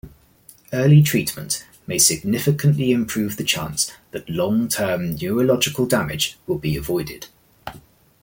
Early treatment may significantly improve the chance that long-term neurological damage will be avoided.